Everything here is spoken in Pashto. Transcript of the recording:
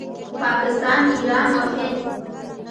پاکستان، ایران او هند